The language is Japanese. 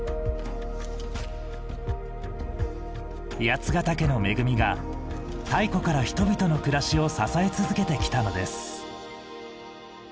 八ヶ岳の恵みが太古から人々の暮らしを支え続けてきたのです。